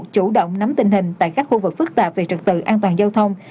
chủ động nắm tình hình tại các khu vực phức tạp về trật tự an toàn giao thông